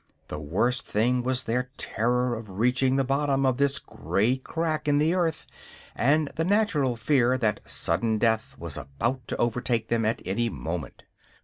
The worst thing was their terror of reaching the bottom of this great crack in the earth, and the natural fear that sudden death was about to overtake them at any moment.